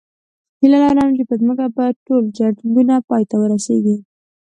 هیله لرم چې په ځمکه به ټول جنګونه پای ته ورسېږي